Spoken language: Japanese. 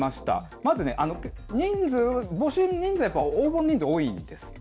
まず、募集人数は、やった応募人数多いんですって。